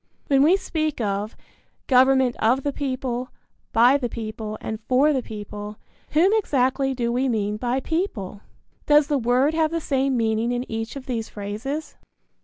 When we speak of "Government of the people, by the people, and for the people," whom exactly do we mean by "people"? Does the word have the same meaning in each of these phrases?